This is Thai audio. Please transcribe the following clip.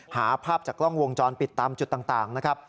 หาภาพจากกล้องวงจรปิดตามจุดต่างนะครับ